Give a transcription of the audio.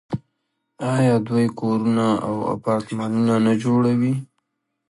آیا دوی کورونه او اپارتمانونه نه جوړوي؟